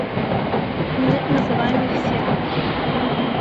Мы называем іх сектай.